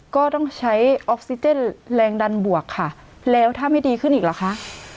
ก็ต้องใช้ออกซิเจนแรงดันบวกค่ะแล้วถ้าไม่ดีขึ้นอีกเหรอคะ